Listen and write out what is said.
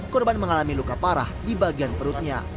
korban mengalami luka parah di bagian perutnya